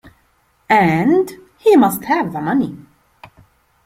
And — he must have the money.